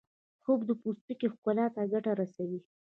خوب د پوستکي ښکلا ته ګټه رسوي